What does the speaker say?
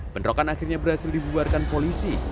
pendorokan akhirnya berhasil dibubarkan polisi